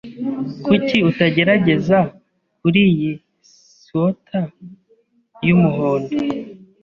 Kuki utagerageza kuriyi swater yumuhondo?